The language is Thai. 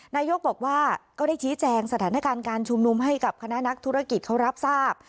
นายกบอกว่าก็ได้ชี้แจงสถานการณ์การชุมนุมให้กับคณะนักธุรกิจเขารับทราบ